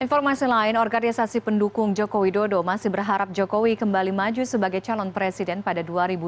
informasi lain organisasi pendukung jokowi dodo masih berharap jokowi kembali maju sebagai calon presiden pada dua ribu dua puluh